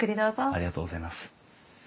ありがとうございます。